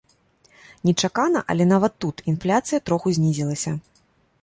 Нечакана, але нават тут інфляцыя троху знізілася!